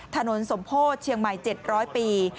ถนนสมโพธิเชียงใหม่๗๐๐ปี